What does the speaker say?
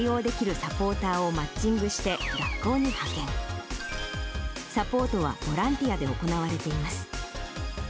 サポートはボランティアで行われています。